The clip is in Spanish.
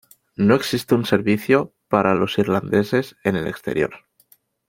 No existe un servicio para los irlandeses en el exterior.